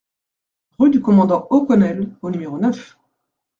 Rue du Commandant O Connel au numéro neuf